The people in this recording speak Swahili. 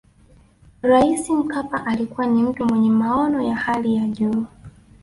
rais mkapa alikuwa ni mtu mwenye maono ya hali ya juu